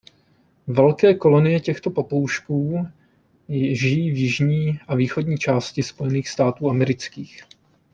Velké kolonie těchto papoušků žijí v jižní a východní části Spojených států amerických.